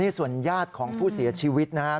ที่ส่วนย่าของผู้เสียชีวิตนะครับ